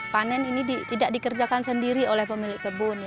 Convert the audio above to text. panen ini tidak dikerjakan sendiri oleh pemilik kebun